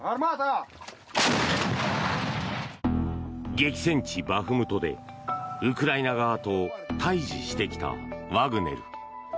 激戦地バフムトでウクライナ側と対峙してきたワグネル。